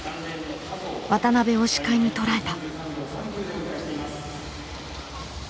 渡辺を視界に捉えた。